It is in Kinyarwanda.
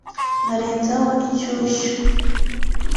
nkarenzaho ishyushyu